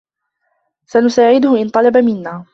سنساعده إن طلب منا.